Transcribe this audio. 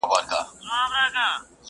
نوي هم ښه دي خو زه وامقاسم یاره,